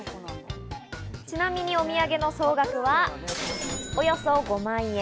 ちなみにお土産の総額は、およそ５万円。